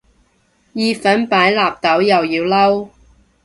意粉擺納豆又要嬲